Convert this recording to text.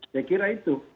saya kira itu